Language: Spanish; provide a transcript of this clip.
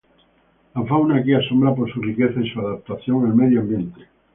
La fauna aquí asombra por su riqueza y su adaptación al medio ambiente.